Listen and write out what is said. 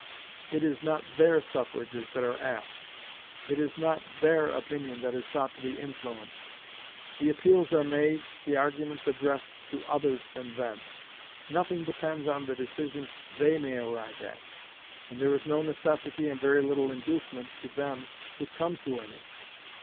It is not their suffrages that are asked, it is not their opinion that is sought to be influenced; the appeals are made, the arguments addressed, to others than them; nothing depends on the decision they may arrive at, and there is no necessity and very little inducement to them to come to any.